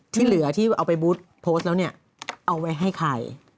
ที่เหลือที่เอาไปพูดแล้วเอาไว้ให้ใคร